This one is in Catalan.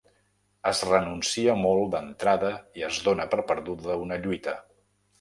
Es renuncia molt d’entrada i es dóna per perduda una lluita.